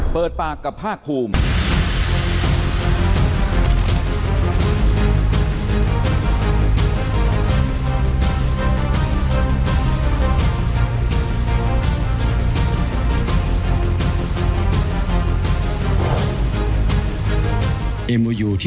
เปิดปากกับภาคภูมิ